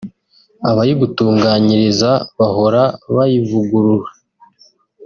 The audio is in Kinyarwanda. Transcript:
abayigutunganyiriza bahora bayivugurura